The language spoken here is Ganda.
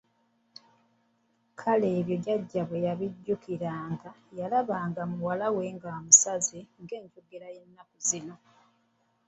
Kale ebyo byonna Jjajja bwe yabijjukiranga, yalaba nga muwala we amusaze ng'enjogera y'ennaku zino.